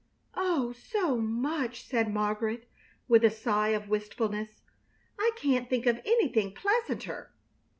"Oh, so much!" said Margaret, with a sigh of wistfulness. "I can't think of anything pleasanter!"